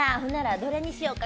どれにしようか。